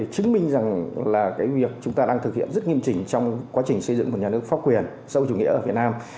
chứng minh rằng là cái việc chúng ta đang thực hiện rất nghiêm trình trong quá trình xây dựng một nhà nước pháp quyền sâu chủ nghĩa ở việt nam